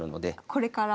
これから？